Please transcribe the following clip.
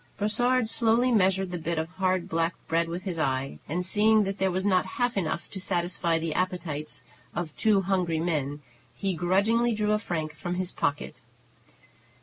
Brossard slowly measured the bit of hard, black bread with his eye, and, seeing that there was not half enough to satisfy the appetites of two hungry men, he grudgingly drew a franc from his pocket.